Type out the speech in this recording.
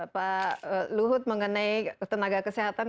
pak luhut mengenai tenaga kesehatan